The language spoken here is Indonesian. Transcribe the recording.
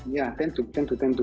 ya tentu tentu tentu